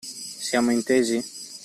Siamo intesi?